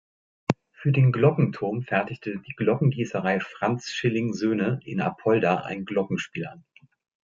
Für den Glockenturm fertigte die Glockengießerei Franz Schilling Söhne in Apolda ein Glockenspiel an.